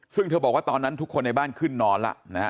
ซึ่งเธอบอกว่าตอนนั้นทุกคนในบ้านขึ้นนอนแล้วนะฮะ